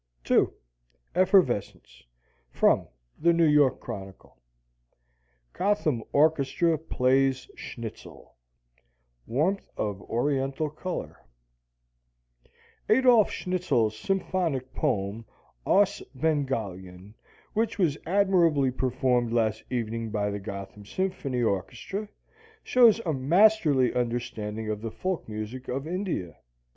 II. EFFERVESCENCE From the "New York Chronicle": GOTHAM ORCHESTRA PLAYS SCHNITZEL Warmth of Oriental Color Adolf Schnitzel's symphonic poem "Aus Bengalien," which was admirably performed last evening by the Gotham Symphony Orchestra, shows a masterly understanding of the folk music of India.